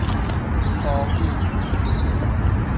آهو